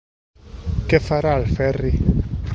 Què farà el Ferri?